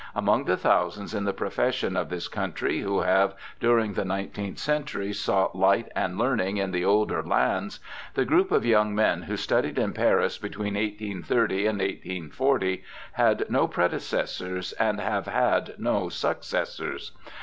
Among the thousands in the profession of this country who have during the nineteenth century sought light and learning in the older lands, the group of young men who studied in Paris, between 1830 and 1840, had no predecessors and have had no successors.